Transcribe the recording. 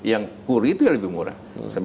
yang kur itu yang lebih murah